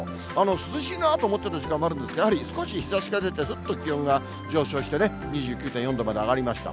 涼しいなと思ってる時間もあるんですが、やはり少し日ざしが出て、ちょっと気温が上昇してね、２９．４度まで上がりました。